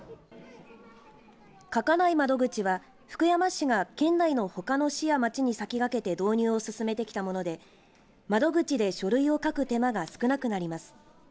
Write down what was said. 書かない窓口は福山市が県内のほかの市や町に先駆けて導入を進めてきたもので窓口で書類を書く手間が少なくなります。